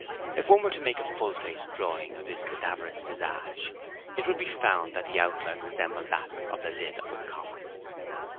If one were to make a full face drawing of his cadaverous visage, it would be found that the outline resembled that of the lid of a coffin.